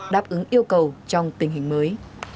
đáp ứng yêu cầu trong tình hình mới